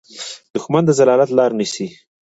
دښمن د ذلت لاره نیسي